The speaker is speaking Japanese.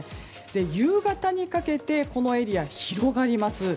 夕方にかけてこのエリアが広がります。